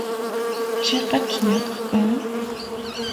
Chiqachus ñak'aq kan?